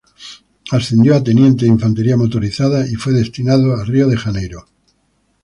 Ascendió a Teniente de infantería motorizada y fue destinado a Río de Janeiro.